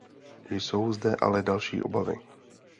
Jsou zde ale další obavy.